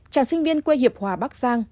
chàng sinh viên quê hiệp hòa bắc giang